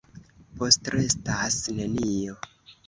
Postrestas nenio.